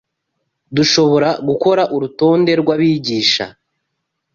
Dushobora gukora urutonde rw’abigisha